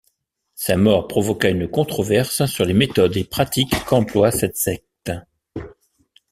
Sa mort provoqua une controverse sur les méthodes et pratiques qu'emploie cette secte.